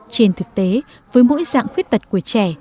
trên thực tế với mỗi dạng khuyết tật của trẻ